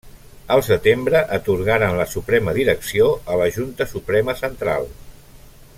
Al setembre atorgaren la suprema direcció a la Junta Suprema Central.